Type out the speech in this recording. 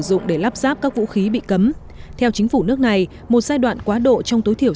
dụng để lắp ráp các vũ khí bị cấm theo chính phủ nước này một giai đoạn quá độ trong tối thiểu